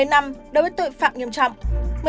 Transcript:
một mươi năm đối với tội phạm nghiêm trọng